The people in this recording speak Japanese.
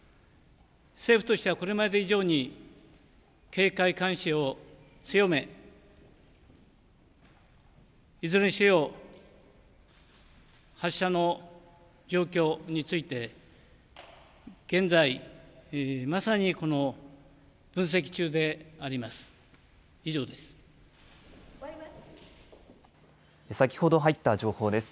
政府としてはこれまで以上に警戒監視を強め、いずれにせよ発射の状況について現在、まさに分析中であります。